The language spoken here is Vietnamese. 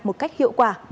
một cách hiệu quả